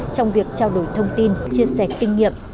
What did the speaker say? trong việc trao đổi thông tin chia sẻ kinh nghiệm